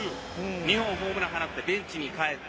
２本ホームラン放ってベンチに帰って。